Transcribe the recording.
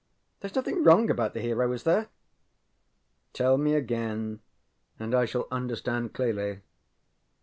ThereŌĆÖs nothing wrong about the hero, is there? ŌĆØ ŌĆ£Tell me again and I shall understand clearly.